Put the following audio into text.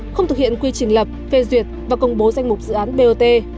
không thực hiện quy trình lập phê duyệt và công bố danh mục dự án bot